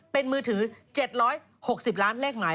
เป็นมือถือ๗๖๐ล้านเลขหมาย